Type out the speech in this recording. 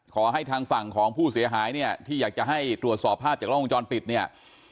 ทางฝั่งของผู้เสียหายเนี่ยที่อยากจะให้ตรวจสอบภาพจากล้องวงจรปิดเนี่ย